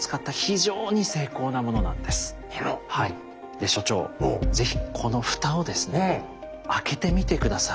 で所長是非この蓋をですね開けてみて下さい。